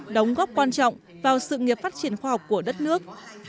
đóng góp quan trọng vào sự nghiệp phát triển khoa học của đất nước